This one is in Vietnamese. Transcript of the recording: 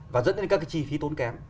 và dẫn đến các cái chi phí tốn kém